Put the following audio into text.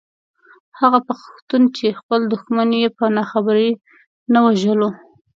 هغه پښتون چې خپل دښمن يې په ناخبرۍ نه وژلو.